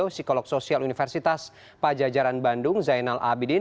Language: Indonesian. psikolog sosial universitas pajajaran bandung zainal abidin